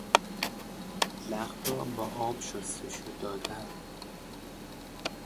زخم را با آب شستشو دادن